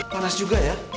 panas juga ya